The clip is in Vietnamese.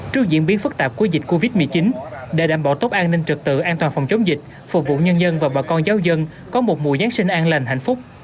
trước diễn biến phức tạp của dịch covid một mươi chín để đảm bảo tốt an ninh trực tự an toàn phòng chống dịch phục vụ nhân dân và bà con giáo dân có một mùa giáng sinh an lành hạnh phúc